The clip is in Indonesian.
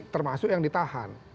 termasuk yang ditahan